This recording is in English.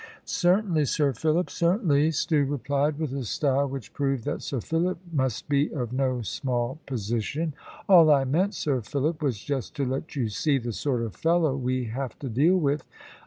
"Certainly, Sir Philip, certainly," Stew replied, with a style which proved that Sir Philip must be of no small position; "all I meant, Sir Philip, was just to let you see the sort of fellow we have to deal with."